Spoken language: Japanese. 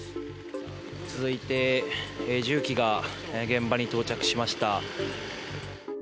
続いて重機が現場に到着しました。